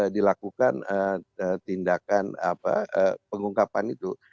dilakukan tindakan pengungkapan itu